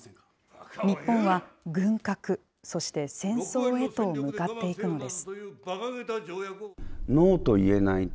日本は軍拡、そして戦争へと向かっていくのです。